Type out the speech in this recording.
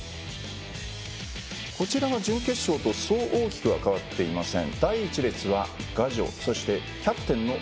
こちらは準決勝と、そう大きくは変わっていません。